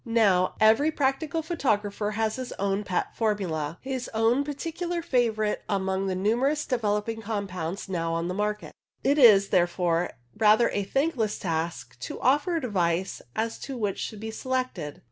Now, every practical photographer has his own pet formula, his own particular favourite among the numerous developing compounds now on the market. It is, therefore, rather a thankless task to offer advice as to which should be selected.